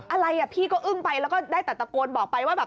อะไรอ่ะพี่ก็อึ้งไปแล้วก็ได้แต่ตะโกนบอกไปว่าแบบ